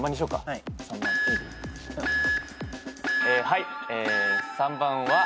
はい。